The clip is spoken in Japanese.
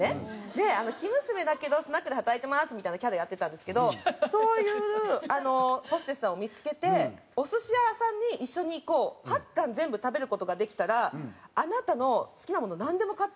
「生娘だけどスナックで働いてます」みたいなキャラでやってたんですけどそういうホステスさんを見付けて「お寿司屋さんに一緒に行こう」「８貫全部食べる事ができたらあなたの好きなものなんでも買ってあげる」